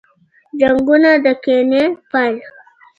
جنګونه د کینې پایله ده.